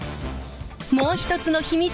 もう一つの秘密